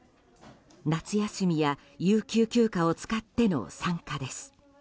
夏休みや有給休暇を使っての参加です。